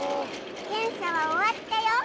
検査は終わったよ。